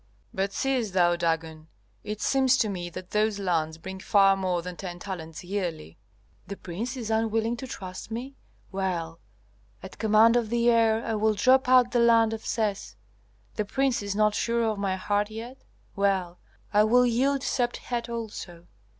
"But seest thou, Dagon, it seems to me that those lands bring far more than ten talents yearly." "The prince is unwilling to trust me? Well, at command of the heir I will drop out the land of Ses. The prince is not sure of my heart yet? Well, I will yield Sebt Het also.